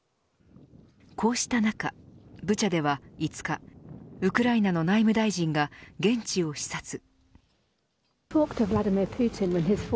こうした中ブチャでは５日ウクライナの内務大臣が現地を視察。